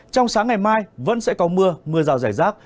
trong sáng ngày mai vẫn sẽ có mưa mưa rào rải rác